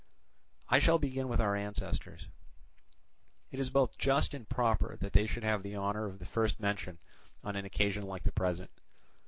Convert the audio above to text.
"I shall begin with our ancestors: it is both just and proper that they should have the honour of the first mention on an occasion like the present.